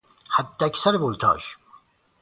حداکثر ولتاژ